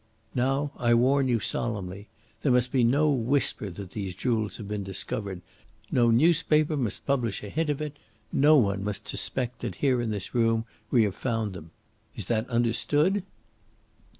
"Now, I warn you solemnly. There must be no whisper that these jewels have been discovered; no newspaper must publish a hint of it; no one must suspect that here in this room we have found them. Is that understood?"